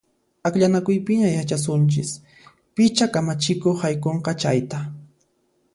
Akllanakuypiña yachasunchis picha kamachikuq haykunqa chayta!